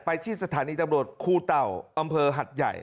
ไปที่สถานีจังหลวดคู่เต่าอำเภอหัดใหญ่